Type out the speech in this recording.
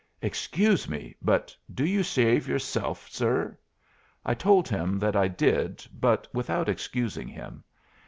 Excuse me, but do you shave yourself, sir?" I told him that I did, but without excusing him.